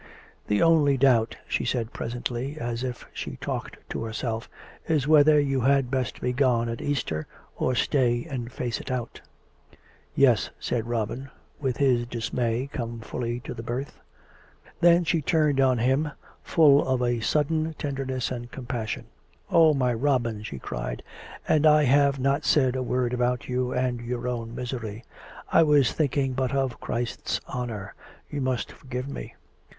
" The only doubt," she said presently, as if she talked to herself, " is whether you had best be gone at Easter, or stay and face it out." 12 COME RACK! COME ROPE! " Yes," said Robin, with his dismay come fully to the birth. Then she turned on him, full of a sudden tenderness and compassion. " Oh ! my Robin," she cried, " and I have not said a word about you and your own misery. I was thinking but of Christ's honour. You must forgive me. ..